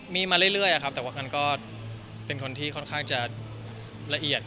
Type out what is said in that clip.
มีมาเรื่อยครับแต่ว่ามันก็เป็นคนที่ค่อนข้างจะละเอียด